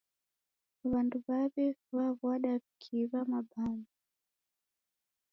W'andu w'aw'i w'aw'adwa w'ikiiw'a mabamba.